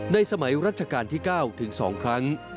สมัยรัชกาลที่๙ถึง๒ครั้ง